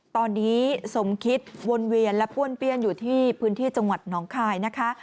ตอนนี้สมคิดวนเวียนและป้วนเปี้ยนอยู่ที่พื้นที่จังหวัดหนองคายนะคะ